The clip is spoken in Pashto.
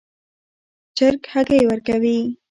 چرګ هګۍ ورکوي